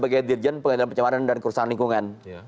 amanah sebagai dirjen pengendalian pencemaran dan kerusakan lingkungan